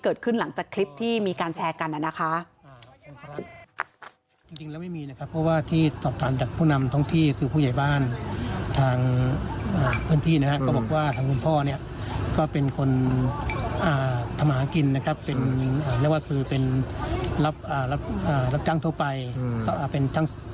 เกิดขึ้นหลังจากคลิปที่มีการแชร์กันนะคะ